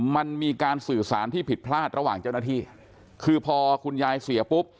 มันมีการสื่อสารที่ผิดพลาดระหว่างเจ้าหน้าที่คือพอคุณยายเสียปุ๊บ